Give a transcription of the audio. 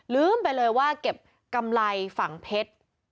ลืมไปเลยว่าเก็บกำไรฝั่งเพชร